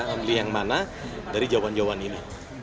memilih yang mana dari jawan jawan ini